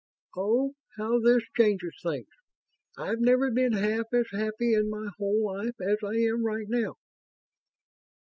Oh, how this changes things! I've never been half as happy in my whole life as I am right now!"